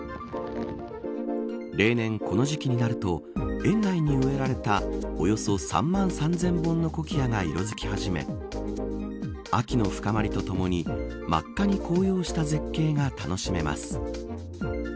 例年、この時期になると園内に植えられたおよそ３万３０００ものコキアが色づき始め秋の深まりとともに真っ赤に紅葉した絶景が楽しめます。